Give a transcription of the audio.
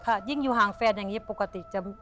ยิ่งอยู่ห่างแฟนอย่างนี้ปกติจะ